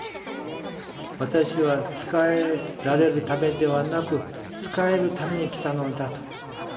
私は仕えられるためではなく仕えるために来たのだと。